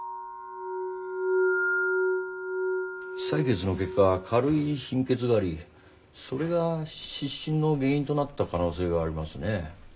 採血の結果軽い貧血がありそれが失神の原因となった可能性がありますね。